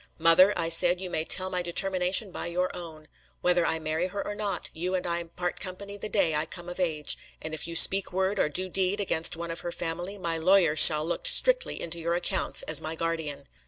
'Mother,' I said, 'you may tell my determination by your own! Whether I marry her or not, you and I part company the day I come of age; and if you speak word or do deed against one of her family, my lawyer shall look strictly into your accounts as my guardian.'